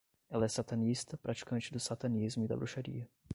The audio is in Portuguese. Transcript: Ela é satanista, praticante do satanismo e da bruxaria